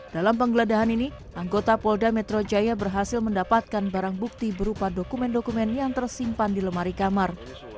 dalam penggeledahan ini anggota polda metro jaya berhasil mendapatkan barang bukti berupa dokumen dokumen yang tersimpan di lemari kamar